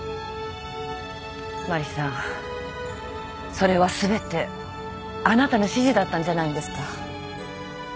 それは全てあなたの指示だったんじゃないんですか？